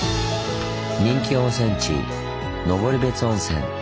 人気温泉地登別温泉。